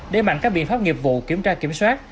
để mạnh các biện pháp nghiệp vụ kiểm tra kiểm soát